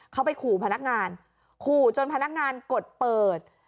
เขาไปขู่พนักงานขู่จนพนักงานกดเปิด